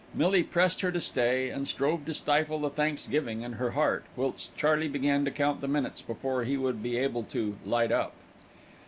Millie pressed her to stay, and strove to stifle the thanksgiving in her heart, whilst Charley began to count the minutes before he would be able to "light up."